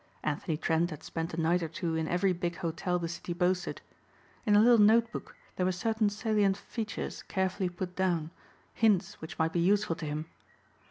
Anthony Trent had spent a night or two in every big hotel the city boasted. In a little note book there were certain salient features carefully put down, hints which might be useful to him.